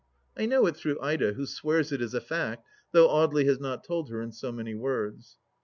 I know it through Ida, who swears it is a fact, though Audely has not told her in so many words.